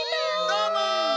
どーも！